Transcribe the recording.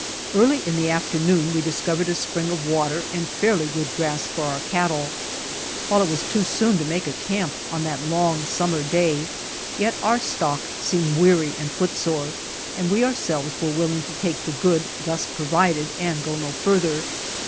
Early in the afternoon we discovered a spring of water and fairly good grass for our cattle. While it was too soon to make a camp on that long summer day, yet our stock seemed weary and footsore, and we our selves were willing to take the good thus provided and go no farther.